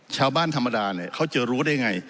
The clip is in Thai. ชาวบ้านธรรมดาเนี่ยเขาจะรู้ได้ไง